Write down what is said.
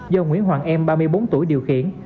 do nguyễn hoàng em ba mươi bốn tuổi điều khiển